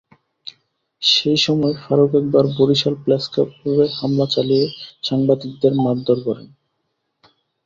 সেই সময় ফারুক একবার বরিশাল প্রেসক্লাবে হামলা চালিয়ে সাংবাদিকদের মারধর করেন।